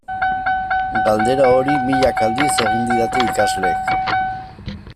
Galdera hori milaka aldiz egin didate ikasleek.